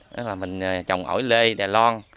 đó là mình trồng ổi lê đè lon